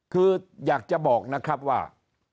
คืออยากจะบอกนะครับว่า